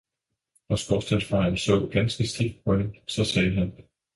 Og skorstensfejeren så ganske stift på hende og så sagde han.